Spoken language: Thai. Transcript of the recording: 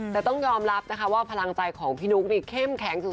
แต่ต้องยอมรับนะคะว่าพลังใจของพี่นุ๊กนี่เข้มแข็งสุด